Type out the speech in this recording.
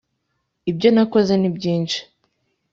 ibyo nakoze ni byinshi